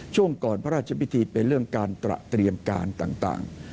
ช่วงก่อนพระราชพิธีเป็นเรื่องการตระเตรียมการต่าง